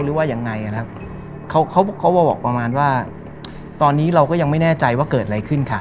หรือว่ายังไงนะครับเขาเขามาบอกประมาณว่าตอนนี้เราก็ยังไม่แน่ใจว่าเกิดอะไรขึ้นค่ะ